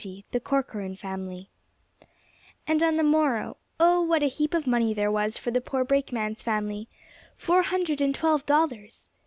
XX THE CORCORAN FAMILY And on the morrow oh, what a heap of money there was for the poor brakeman's family! four hundred and twelve dollars.